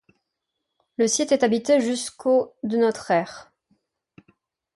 Le site est habité jusqu'au de notre ère.